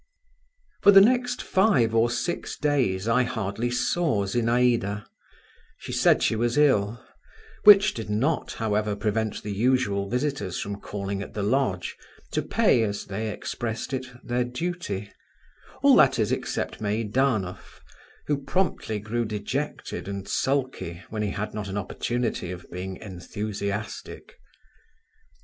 XV For the next five or six days I hardly saw Zinaïda; she said she was ill, which did not, however, prevent the usual visitors from calling at the lodge to pay—as they expressed it, their duty—all, that is, except Meidanov, who promptly grew dejected and sulky when he had not an opportunity of being enthusiastic.